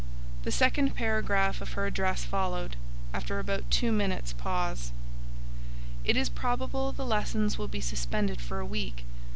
The second paragraph of her address followed, after about two minutes' pause. "It is probable the lessons will be suspended for a week.